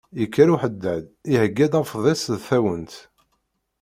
Yekker uḥeddad iheyya-d afḍis d tawent.